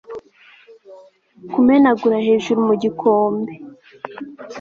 kumenagura hejuru mu gikombe